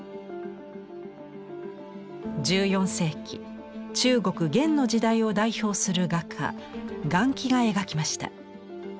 １４世紀中国・元の時代を代表する画家顔輝が描きました。